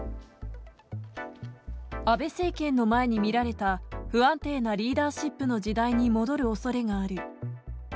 安倍政権の前に見られた不安定なリーダーシップの時代に戻るおそれがある。